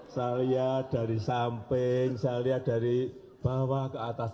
saya lihat dari samping saya lihat dari bawah ke atas